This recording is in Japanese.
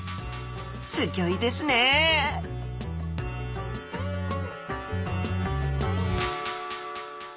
すギョいですねはい。